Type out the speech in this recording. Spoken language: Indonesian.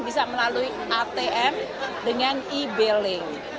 bisa melalui atm dengan e billing